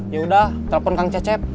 yaudah telepon kang cecep